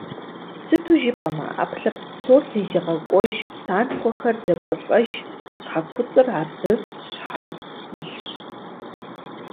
Сыту жыпӏэмэ, ӏэпкълъэпкъ псор зезыгъэкӏуэж, псантхуэхэр зэкӏуэлӏэж щхьэкуцӏыр аб щхьэм илъщ.